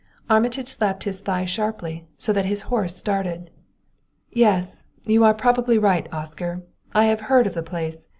Armitage slapped his thigh sharply, so that his horse started. "Yes; you are probably right, Oscar, I have heard of the place.